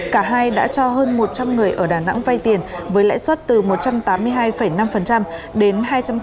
cả hai đã cho hơn một trăm linh người ở đà nẵng vai tiền với lãi suất từ một trăm tám mươi hai năm đến hai trăm sáu mươi tám ba mươi tám